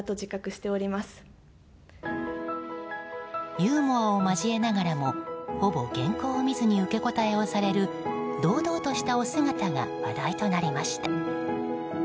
ユーモアを交えながらもほぼ原稿を見ずに受け答えをされる堂々としたお姿が話題となりました。